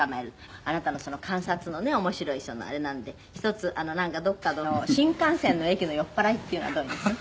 あなたのその観察のね面白いあれなんで一つどこかの新幹線の駅の酔っ払いっていうのはどういう。